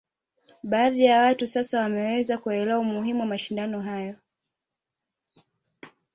Baadhi ya watu sasa wameweza kuelewa umuhimu wa mashindano hayo